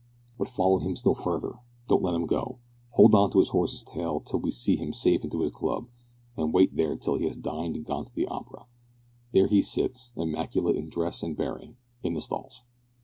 "But follow him still further. Don't let him go. Hold on to his horse's tail till we see him safe into his club, and wait there till he has dined and gone to the opera. There he sits, immaculate in dress and bearing, in the stalls.